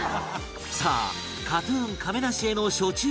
さあ ＫＡＴ−ＴＵＮ 亀梨への暑中